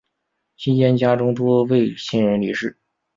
期间家中多位亲人离世。